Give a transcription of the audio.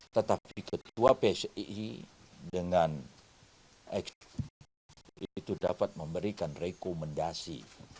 tetapi ketua pssi dengan exco itu dapat memberikan rekomendasi